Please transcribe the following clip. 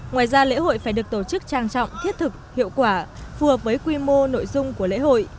ngoài ra lễ hội phải được tổ chức trang trọng thiết thực hiệu quả phù hợp với quy mô nội dung của lễ hội